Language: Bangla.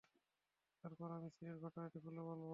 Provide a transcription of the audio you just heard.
তারপর আমি কলসির ঘটনাটি খুলে বললাম।